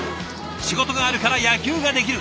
仕事があるから野球ができる。